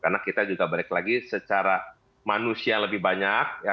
karena kita juga balik lagi secara manusia lebih banyak